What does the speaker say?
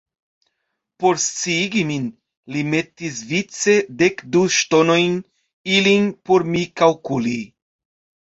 Por sciigi min, li metis vice dekdu ŝtonojn, ilin por mi kalkuli.